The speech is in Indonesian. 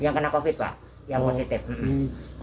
yang kena covid sembilan belas pak yang positif